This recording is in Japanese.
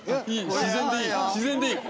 自然でいい。